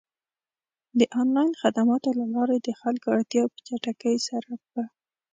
د آنلاین خدماتو له لارې د خلکو اړتیاوې په چټکۍ سره پ